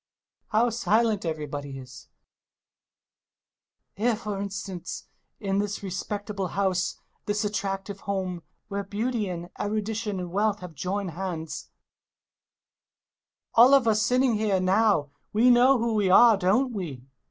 How silent everybody is! [Long silence] Here, for instance, in this respectable house, this attractive home, where beauty and erudition and wealth have joined hands .... [Long silence] All of us sitting here now — ^we know who we are, don't we